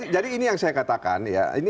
jadi ini yang saya katakan